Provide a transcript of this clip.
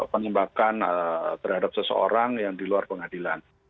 penembakan terhadap seseorang yang di luar pengadilan